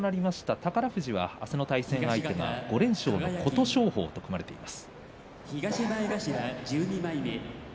宝富士は明日の対戦相手は５連勝の琴勝峰と組まれています。